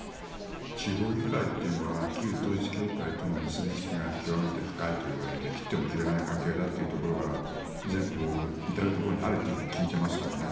地方議会というのは旧統一教会との結びつきが極めて深いといわれて切っても切れない関係だということが全国至るところにあると聞いていますから。